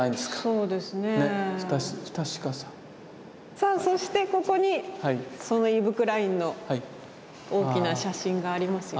さあそしてここにそのイヴ・クラインの大きな写真がありますよ。